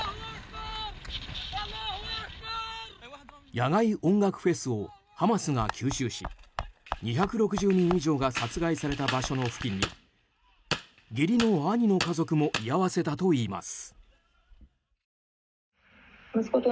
野外音楽フェスをハマスが急襲し２６０人以上が殺害された場所の付近に義理の兄の家族も居合わせたといいます。